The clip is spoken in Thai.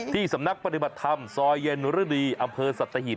ที่สำนักปฏิบัติธรรมซอยเย็นฤดีอำเภอสัตหิบ